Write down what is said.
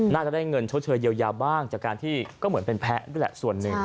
น่าจะได้เงินชดเชยเยียวยาบ้างจากการที่ก็เหมือนเป็นแพ้ด้วยแหละส่วนหนึ่ง